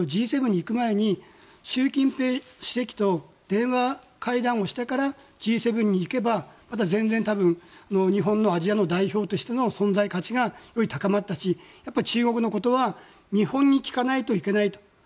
Ｇ７に行く前に習近平主席と電話会談をしてからＧ７に行けば全然、日本のアジアの代表としての存在価値がより高まったし、中国のことは日本に聞かないといけないと。